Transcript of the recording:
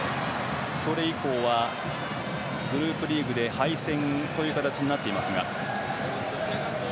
それ以降は、グループリーグで敗戦という形になっています。